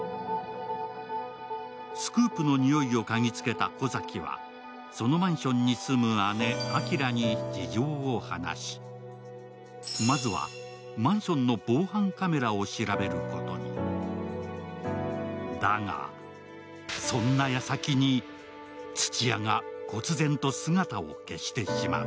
スクープのにおいを嗅ぎつけた小崎は、そのマンションに住む姉、晶に事情を話し、まずはマンションの防犯カメラを調べることにだが、そんなやさきに土屋がこつ然と姿を消してしまう。